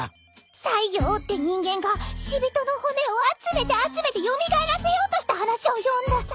西行って人間が死人の骨を集めて集めて蘇らせようとした話を読んださ。